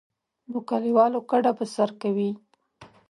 نو کلیوال کډه په سر کوي.